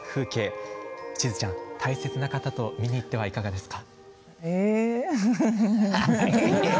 しずちゃん、大切な方と見に行ってはいかがですか？